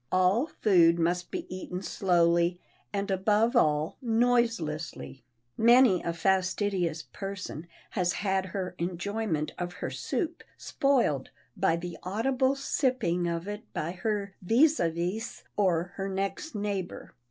All food must be eaten slowly, and, above all, noiselessly. Many a fastidious person has had her enjoyment of her soup spoiled by the audible sipping of it by her vis à vis or her next neighbor.